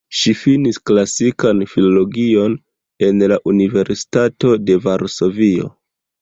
Ŝi finis klasikan filologion en la Universitato de Varsovio.